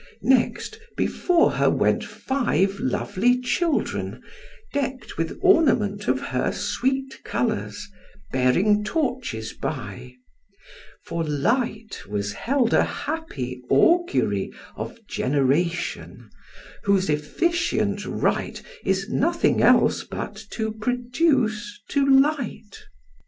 Next, before her went Five lovely children, deck'd with ornament Of her sweet colours, bearing torches by; For light was held a happy augury Of generation, whose efficient right Is nothing else but to produce to light.